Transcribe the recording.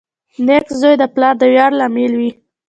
• نېک زوی د پلار د ویاړ لامل وي.